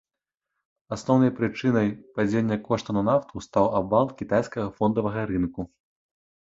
Асноўнай прычынай падзення коштаў на нафту стаў абвал кітайскага фондавага рынку.